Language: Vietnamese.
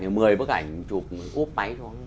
thì một mươi bức ảnh chụp úp máy xuống